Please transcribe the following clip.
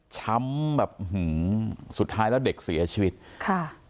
ช้ำแบบอื้อหือสุดท้ายแล้วเด็กเสียชีวิตค่ะ